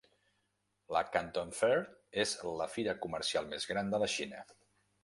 La Canton Fair és la fira comercial més gran de la Xina.